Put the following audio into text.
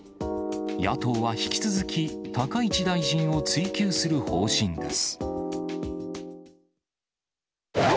野党は引き続き、高市大臣を追及する方針です。